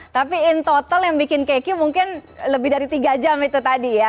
tapi in total yang bikin keki mungkin lebih dari tiga jam itu tadi ya